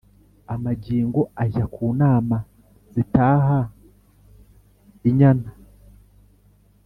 amagingo ajya ku nama zitaha inyana,